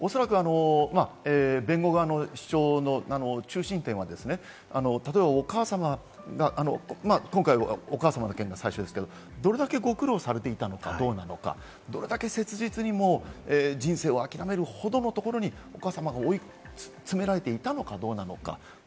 おそらく弁護側の主張の中心点は、例えば、お母さまが今回はお母さまの件が最初ですけれども、どれだけ苦労されていたのかどうなのか、どれだけ切実に人生を諦めるほどのところに、お母さまが追い詰められていたのかどうなのか。